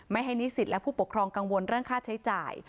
ให้นิสิตและผู้ปกครองกังวลเรื่องค่าใช้จ่าย